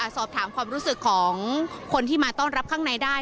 สอบถามความรู้สึกของคนที่มาต้อนรับข้างในได้